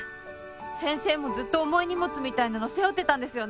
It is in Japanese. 先生もずっと重い荷物みたいなの背負ってたんですよね？